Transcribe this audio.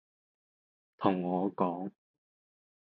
同我講